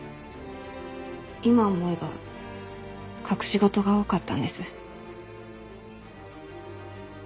今思えば隠し事が多かったんです。